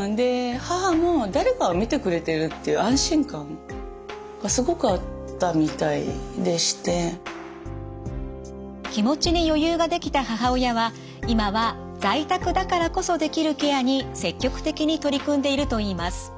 例えばちょっと気持ちに余裕ができた母親は今は在宅だからこそできるケアに積極的に取り組んでいるといいます。